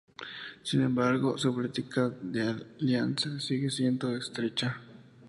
Sin embargo, su política de alianza sigue siendo estrecha.